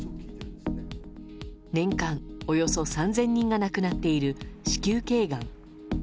年間、およそ３０００人が亡くなっている子宮頸がん。